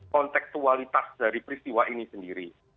kontekstualitas dari peristiwa ini sendiri